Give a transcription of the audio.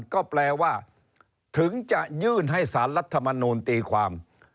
ก็แปลว่าถึงจะยื่นให้สารรัฐมนูลตีความ